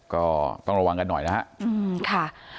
ก็ต้องระวังกันหน่อยนะครับ